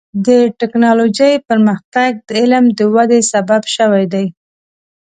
د ټکنالوجۍ پرمختګ د علم د ودې سبب شوی دی.